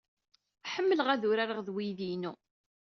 Ḥemmleɣ ad urareɣ ed uydi-inu.